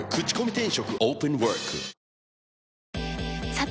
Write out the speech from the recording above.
さて！